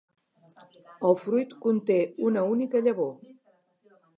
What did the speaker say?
El fruit conté una única llavor.